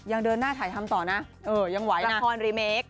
เดินหน้าถ่ายทำต่อนะยังไหวละครรีเมค